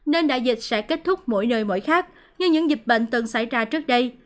nên đại dịch sẽ kết thúc mỗi nơi mỗi khác như những dịch bệnh từng xảy ra trước đây